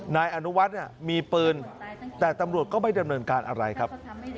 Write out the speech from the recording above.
นายอนุวัฒน์เนี่ยมีปืนแต่ตำรวจก็ไม่ดำเนินการอะไรครับ